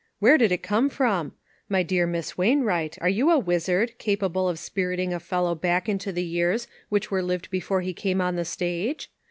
"Where did it come from? My dear Miss Wain wright, are you a wizard, capable of spirit ing a fellow back into the years which were lived before he came on the stage?